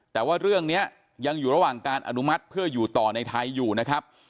แต่ว่าเรื่องนี้ยังอยู่ระหว่างการอนุมัติเพื่ออยู่ต่อในไทยอยู่นะครับ